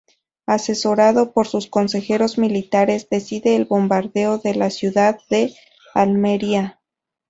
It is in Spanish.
Asesorado por sus consejeros militares, decide el bombardeo de la ciudad de Almería.